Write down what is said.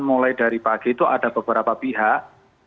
mulai dari pagi itu ada beberapa pihak